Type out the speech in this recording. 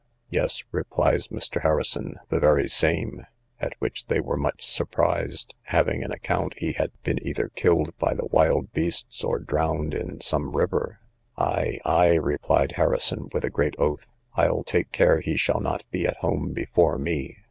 Yes, replies Mr. Harrison, the very same: at which they were much surprised, having an account he had been either killed by the wild beasts or drowned in some river. Ay, ay, replied Harrison with a great oath, I'll take care he shall not be at home before me.